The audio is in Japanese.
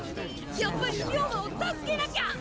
やっぱり龍馬をたすけなきゃ！